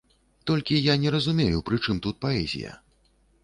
Толькі я не разумею, пры чым тут паэзія?